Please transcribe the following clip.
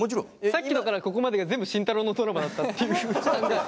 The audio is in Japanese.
さっきのからここまでが全部慎太郎のドラマだったっていう。